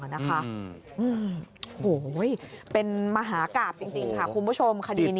โอ้โหเป็นมหากราบจริงค่ะคุณผู้ชมคดีนี้